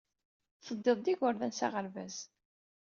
Teddid d yigerdan s aɣerbaz.